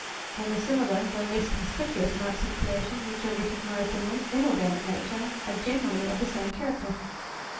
And the similar though less conspicuous marks of creation which are recognized in inorganic Nature, are generally of the same character.